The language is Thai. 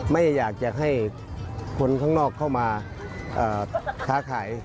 ไม่อยากจะให้คนข้างนอกเข้ามาค้าขาย